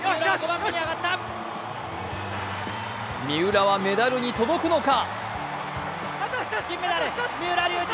三浦はメダルに届くのか。